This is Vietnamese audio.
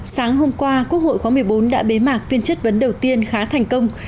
sáng hôm qua quốc hội khóa một mươi bốn đã bế mạc phiên chất vấn đầu tiên khá thành công